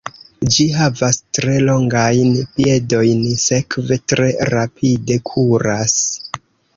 Ĝi havas tre longajn piedojn, sekve tre rapide kuras.